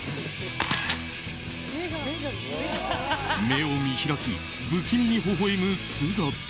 目を見開き、不気味にほほ笑む姿。